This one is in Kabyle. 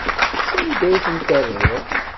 Sanda ay tent-terriḍ?